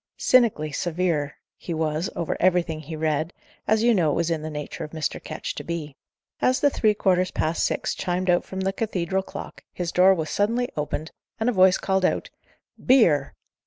Cynically severe was he over everything he read, as you know it was in the nature of Mr. Ketch to be. As the three quarters past six chimed out from the cathedral clock, his door was suddenly opened, and a voice called out, "Beer!"